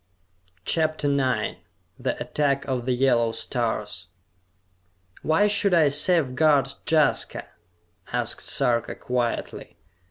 CHAPTER IX The Attack of the Yellow Stars "Why should I safeguard Jaska?" asked Sarka quietly.